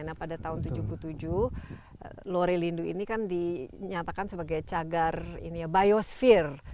karena pada tahun seribu sembilan ratus tujuh puluh tujuh lorelindu ini kan dinyatakan sebagai cagar biosfir